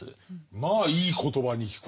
まあいい言葉に聞こえる。